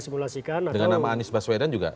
simulasikan agar nama anies baswedan juga